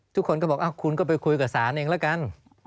ทุกคนก็บอกคุณก็ไปคุยกับศาลเองแล้วกัน